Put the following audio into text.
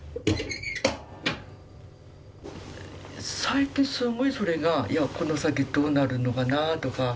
最近すごくそれが「この先どうなるのかな」とか。